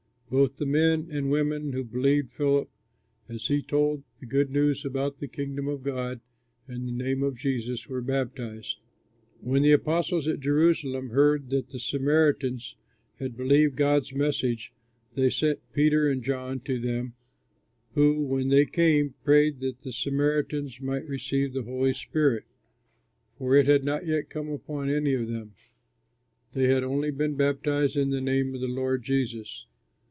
Both the men and women who believed Philip, as he told the good news about the Kingdom of God and the name of Jesus, were baptized. When the apostles at Jerusalem heard that the Samaritans had believed God's message, they sent Peter and John to them, who, when they came, prayed that the Samaritans might receive the Holy Spirit, for it had not yet come upon any of them; they had only been baptized in the name of the Lord Jesus.